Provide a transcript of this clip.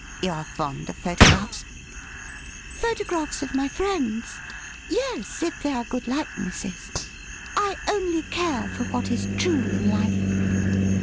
' You are fond of photographs ?' Photographs of my friends — ^yes, if they are good hke nesses — ^I only care for what is true in life.'